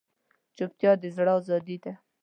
چوپتیا، د زړه ازادي ده.